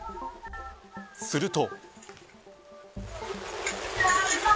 すると。